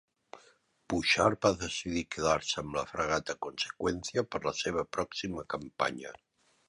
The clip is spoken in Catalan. Bouchard va decidir quedar-se amb la fragata "Consecuencia" per a la seva pròxima campanya.